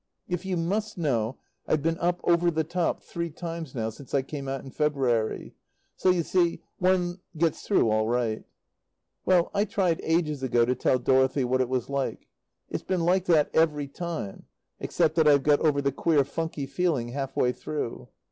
If you must know, I've been up "over the top" three times now since I came out in February. So, you see, one gets through all right. Well I tried ages ago to tell Dorothy what it was like. It's been like that every time (except that I've got over the queer funky feeling half way through).